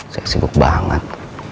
saya sibuk banget